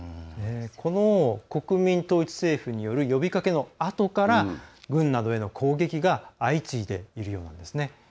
この国民統一政府による呼びかけのあとから軍などへの攻撃が相次いでいるようなんですね。